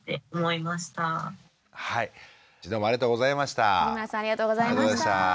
谷村さんありがとうございました。